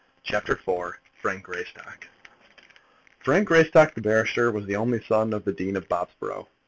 CHAPTER IV Frank Greystock Frank Greystock the barrister was the only son of the Dean of Bobsborough.